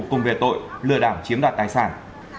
cùng về tội lừa đảo chiếm đoạt tài sản